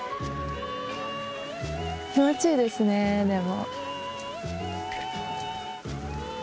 気持ちいいですねでも。